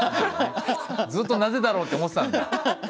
ずっと「なぜだろう？」って思ってたんだ。